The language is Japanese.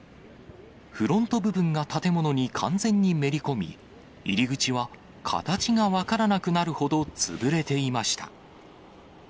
フロント部分が建物に完全にめり込み、入り口は形が分からなくなるほど潰れていました。